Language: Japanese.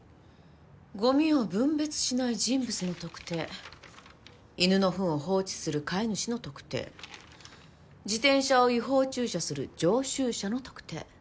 「ごみを分別しない人物の特定」「犬のふんを放置する飼い主の特定」「自転車を違法駐車する常習者の特定」